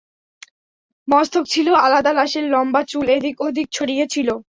মস্তক ছিল আলাদা লাশের লম্বা চুল এদিক-ওদিক ছড়িয়ে ছিল।